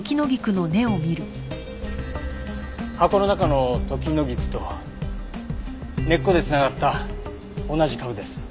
箱の中のトキノギクと根っこで繋がった同じ株です。